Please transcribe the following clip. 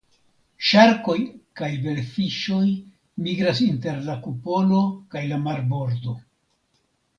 Ŝarkoj kaj velfiŝoj migras inter la kupolo kaj la marbordo.